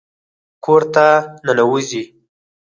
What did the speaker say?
کور ته ننوځئ